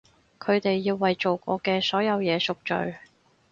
佢哋要為做過嘅所有嘢贖罪！